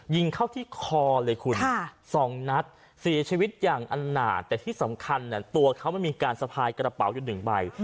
ยิงเข้าที่คอเลยคุณสองนัดเสียชีวิตอย่างอันหนาดแต่ที่สำคัญตัวเขามันมีการสะพายกระเป๋าอยู่หนึ่งใบ